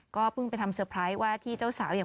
ก็เพิ่งไปทำเซอร์ไพรส์ว่า